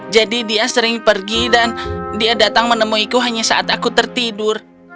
jadi dia sering pergi dan dia datang menemuiku hanya saat aku tertidur